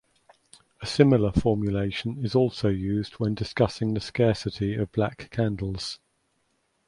A similar formulation is also used when discussing the scarcity of black candles.